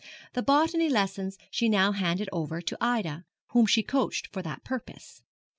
The botany lessons she now handed over to Ida, whom she coached for that purpose.